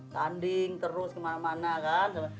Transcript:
tanding terus kemana mana kan